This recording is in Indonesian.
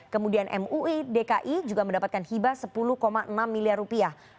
kemudian mui dki juga mendapatkan hibah sepuluh enam miliar rupiah